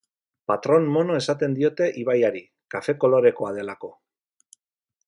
Patrón Mono esaten diote ibaiari, kafe kolorekoa delako.